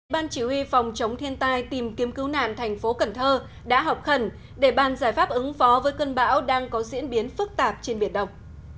ban chỉ huy phòng chống thiên tai tìm kiếm cứu nạn thành phố cần thơ đã họp khẩn để bàn giải pháp ứng phó với cơn bão đang có diễn biến phức tạp trên biển đông